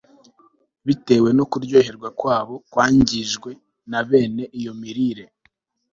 Bitewe no kuryoherwa kwabo kwangijwe na bene iyo mirire